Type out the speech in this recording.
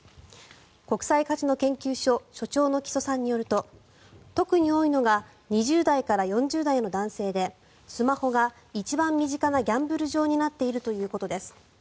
国際カジノ研究所所長の木曽さんによると特に多いのが２０代から４０代の男性でスマホが一番身近なギャンブル場になっているということです。